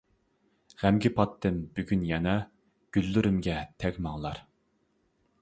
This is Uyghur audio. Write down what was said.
غەمگە پاتتىم بۈگۈن يەنە، گۈللىرىمگە تەگمەڭلار!